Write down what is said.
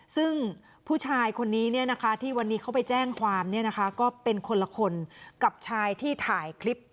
ซึ่งผู้ชายคนนี้ที่วันนี้เขาไปแจ้งความก็เป็นคนละคนกับชายที่ถ่ายคลิป